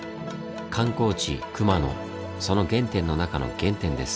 観光地熊野その原点の中の原点です。